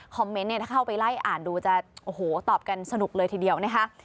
เมนต์เนี่ยถ้าเข้าไปไล่อ่านดูจะโอ้โหตอบกันสนุกเลยทีเดียวนะคะ